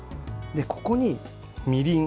ここにみりん。